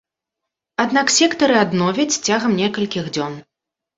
Аднак сектары адновяць цягам некалькіх дзён.